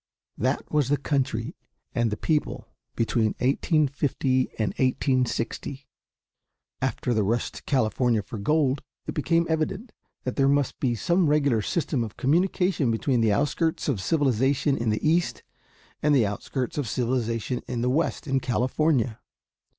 That was the country and the people between 1850 and 1860. After the rush to California for gold, it became evident that there must be some regular system of communication between the outskirts of civilization in the East, and the outskirts of civilization in the West in California.